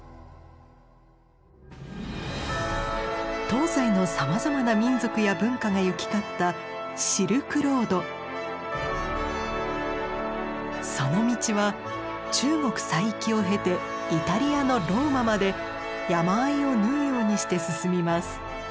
東西のさまざまな民族や文化が行き交ったその道は中国西域を経てイタリアのローマまで山あいを縫うようにして進みます。